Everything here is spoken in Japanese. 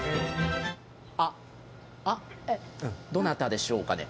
あ、あ、どなたでしょうかね。